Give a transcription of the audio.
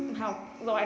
nào gọi này nào